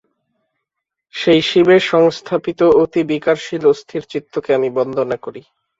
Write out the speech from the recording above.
সেই শিবে সংস্থাপিত অতি বিকারশীল অস্থির চিত্তকে আমি বন্দনা করি।